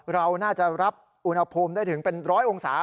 เราน่าจะรับอุณหภูมิได้ถึงเป็นร้อยองศา